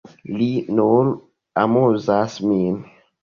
Li nur amuzas min.